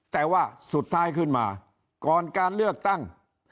แต่ว่าสุดท้ายขึ้นมาก่อนการเลือกตั้ง